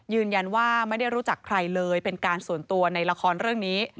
ยืนยันว่าไม่ได้รู้จักใครเลยเป็นการส่วนตัวในละครเรื่องนี้